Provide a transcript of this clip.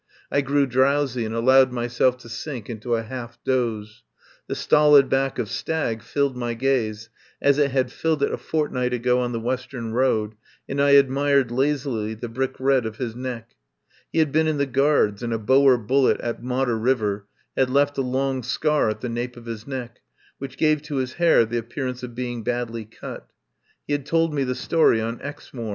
I grew drowsy and allowed myself to sink into a half doze. The stolid back of Stagg filled my gaze, as it had filled it a fortnight ago on the western road, and I admired lazily the brick red of his neck. He had been in the Guards, and a Boer bullet at Modder River had left a long scar at the nape of his neck, which gave to his hair the appearance of be ing badly cut. He had told me the story on Exmoor.